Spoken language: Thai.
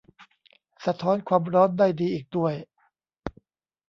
สะท้อนความร้อนได้ดีอีกด้วย